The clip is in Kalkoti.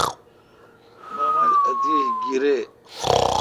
مہ مل اتیش گیریی۔